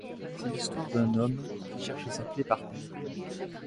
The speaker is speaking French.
C’est l’histoire d’un homme qui cherche sa clé par terre.